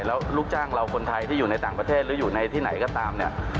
แล้วลูกจ้างเราคนไทยที่อยู่ในต่างประเทศหรืออยู่ในที่ไหนก็ตามเนี่ย